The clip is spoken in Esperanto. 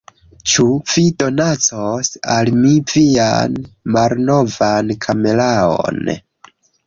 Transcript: Ĉu vi donacos al mi vian malnovan kameraon?